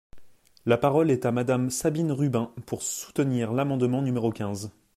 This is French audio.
La parole est à Madame Sabine Rubin, pour soutenir l’amendement numéro quinze.